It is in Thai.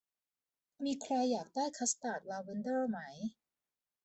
มีใครอยากได้คัสตาร์ดลาเวนเดอร์ไหม